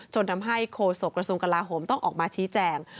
ทำให้โฆษกระทรวงกลาโหมต้องออกมาชี้แจง